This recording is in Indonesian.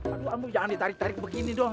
aduh ambo jangan ditarik tarik begini doang